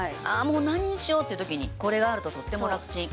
もう何にしようっていう時にこれがあるととってもラクチン。